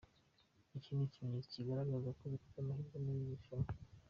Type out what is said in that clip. Iki ni ikimenyetso kigaragaza ko dufite amahirwe muri iri rushanwa.